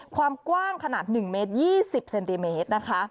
ความกว้างขนาด๑เมตร๒๐เซนติเมตรนะคะ